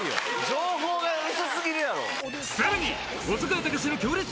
情報がなさ過ぎるやろ。